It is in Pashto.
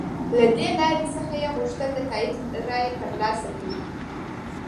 له دې لارې څخه یې غوښتل د تایید رایه تر لاسه کړي.